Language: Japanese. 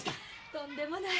とんでもない。